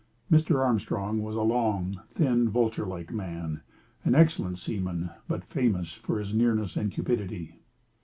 Mr. Armstrong was a long, thin, vulture like man, an excellent seaman, but famous for his nearness and cupidity.